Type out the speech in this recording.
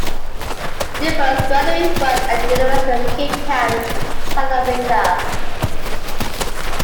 He did post-graduate work at the University of Cape Town, South Africa.